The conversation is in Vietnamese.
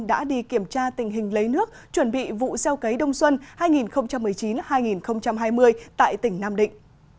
đã đi kiểm tra tình hình lấy nước chuẩn bị vụ gieo cấy đông xuân hai nghìn một mươi chín hai nghìn hai mươi tại tỉnh nam định